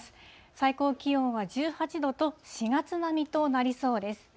最高気温は１８度と、４月並みとなりそうです。